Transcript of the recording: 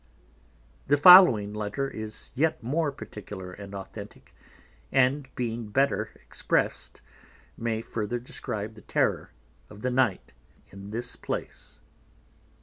_The following Letter is yet more Particular and Authentick, and being better exprest, may further describe the Terror of the Night in this place.